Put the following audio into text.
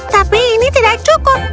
tapi ini tidak cukup